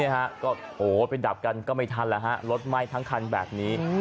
โหไปดับกันก็ไม่ทันล่ะรถไหม้แบบนี้